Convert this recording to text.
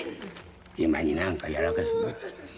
今に何かやらかすぞ。